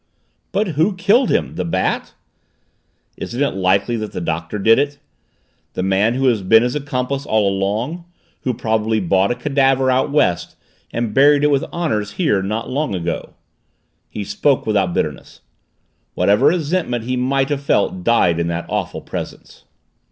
"But who killed him? The Bat?" "Isn't it likely that the Doctor did it? The man who has been his accomplice all along? Who probably bought a cadaver out West and buried it with honors here not long ago?" He spoke without bitterness. Whatever resentment he might have felt died in that awful presence.